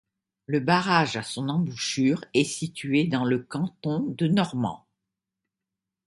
Le barrage à son embouchure est situé dans le canton de Normand.